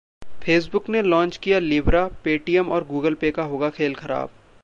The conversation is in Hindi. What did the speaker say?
Facebook ने लॉन्च किया Libra, पेटीएम और Google Pay का होगा खेल खराब